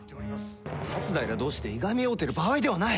松平同士でいがみ合うてる場合ではない。